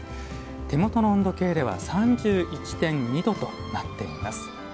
手元の温度計では３１．２度となっています。